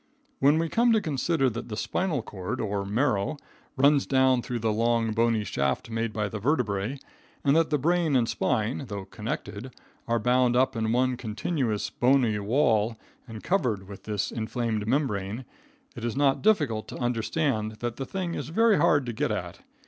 When we come to consider that the spinal cord, or marrow, runs down through the long, bony shaft made by the vertebrae, and that the brain and spine, though connected, are bound up in one continuous bony wall and covered with this inflamed membrane, it is not difficult to understand that the thing is very hard to get at.